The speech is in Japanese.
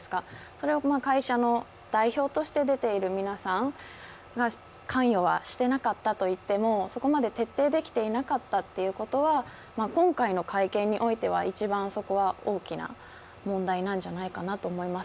それは会社の代表として出ている皆さんが関与はしていなかったといっても、そこまで徹底できていなかったということは、今回の会見においては一番そこは大きな問題なんじゃないかなと思います。